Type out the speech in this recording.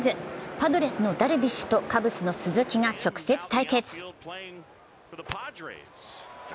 パドレスのダルビッシュとカブスの鈴木が直接対決。